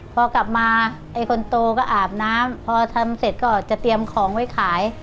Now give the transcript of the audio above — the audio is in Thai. พอกลับมาไอ้คนโตก็อาบน้ำพอทำเสร็จก็จะเตรียมของไว้ขาย